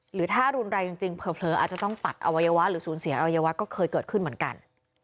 หรือถ้ารุนแรงจริงเผลออาจจะต้องปัดอวัยวะหรือสูญเสียอวัยวะก็เคยเกิดขึ้นเหมือนกัน